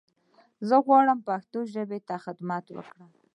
زه غواړم پښتو ژبې ته خدمت وکړم.